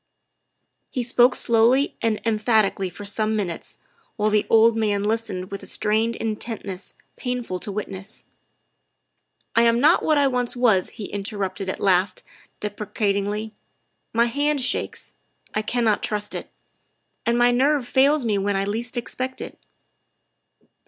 He spoke slowly and emphatically for some minutes, while the old man listened with a strained intentness painful to witness. " I am not what I once was," he interrupted at last deprecatingly ;" my hand shakes; I cannot trust it. And my nerve fails me when I least expect it."